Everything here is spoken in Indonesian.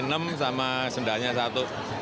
enam sama sendalnya satu